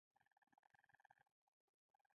د سترګو د بڼو لپاره د بادام تېل وکاروئ